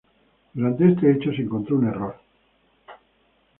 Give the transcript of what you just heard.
Durante este hecho se encontró un error.